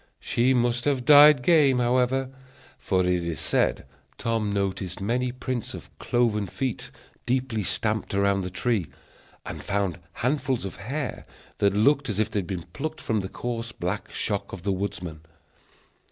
She must have died game, however; for it is said Tom noticed many prints of cloven feet deeply stamped about the tree, and found handfuls of hair, that looked as if they had been plucked from the coarse black shock of the woodsman.